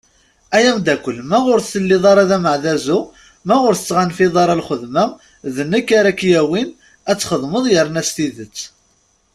Ay amddakel, ma ur telliḍ d ameɛdazu, ma ur tettɣanfiḍ lxedma, d nekk ara ak-yawin , ad txedmeḍ yerna s tidet.